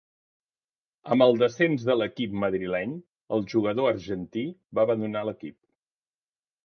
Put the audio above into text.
Amb el descens de l'equip madrileny el jugador argentí va abandonar l'equip.